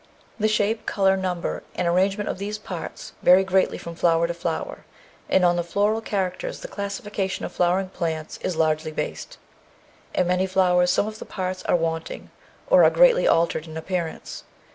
The shape, colour, number, and arrangement of these parts vary greatly from flower to flower, and on the floral characters the classification of the flowering plants is largely based. In many flowers some of the parts are wanting or are greatly altered in appearance.